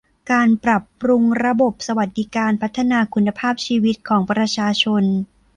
การปรับปรุงระบบสวัสดิการพัฒนาคุณภาพชีวิตของประชาชน